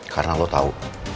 karena lo tau